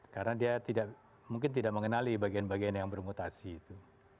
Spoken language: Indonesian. karena dia mungkin tidak mengenali bagian bagian yang bermutasi itu